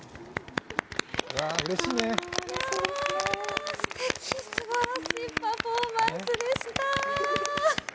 いや、すてき、すばらしいパフォーマンスでした。